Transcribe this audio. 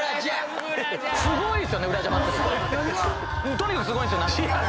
とにかくすごいんすよ何か。